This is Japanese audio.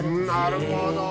なるほど！